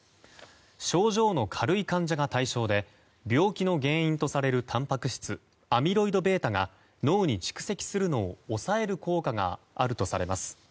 症状の軽い患者が対象で病気の原因とされるたんぱく質アミロイドベータが脳に蓄積するのを抑える効果があるとされます。